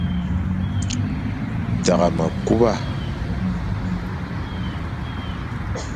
Tagha mekuba.